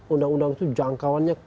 undang undang itu jangkauannya